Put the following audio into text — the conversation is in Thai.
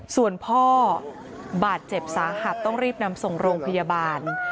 ส่วนพ่อบาดเจ็บสาหัสต้องรีบนำส่งโรงพยาบาล